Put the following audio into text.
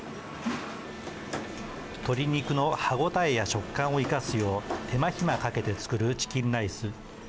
鶏肉の歯応えや食感を生かすよう手間暇かけて作るチキンライス。